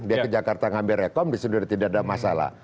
dia ke jakarta mengambil rekom bisa jadi tidak ada masalah